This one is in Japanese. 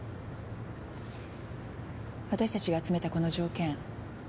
わたしたちが集めたこの条件。